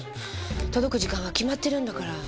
届く時間は決まってるんだから。